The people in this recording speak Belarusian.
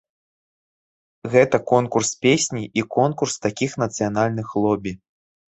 Гэта конкурс песні і конкурс такіх нацыянальных лобі.